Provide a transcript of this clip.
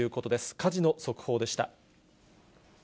火事の速報でした。